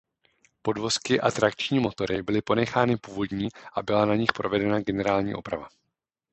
Podvozky a trakční motory byly ponechány původní a byla na nich provedena generální oprava.